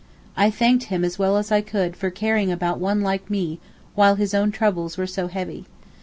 I thanked him as well as I could for caring about one like me while his own troubles were so heavy.